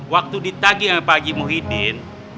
waktu ditagi sama pak haji muhyiddin